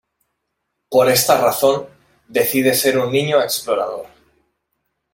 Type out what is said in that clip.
Por esta razón, decide ser un niño explorador.